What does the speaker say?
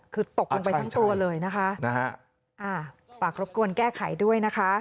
คือตกลงไปทั้งตัวเลยนะคะอ่าฝากรบกวนแก้ไขด้วยนะคะ